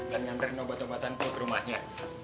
dan ngantri obat obatanku ke rumahnya